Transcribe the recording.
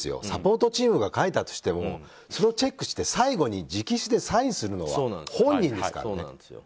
サポートチームが書いたとしてもそれをチェックして最後に直筆でサインするのは本人ですからね。